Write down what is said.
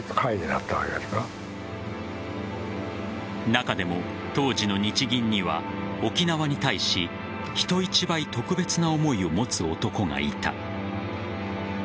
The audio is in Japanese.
中でも当時の日銀には沖縄に対し人一倍特別な思いを持つ男がいた。